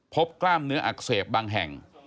กล้ามเนื้ออักเสบบางแห่ง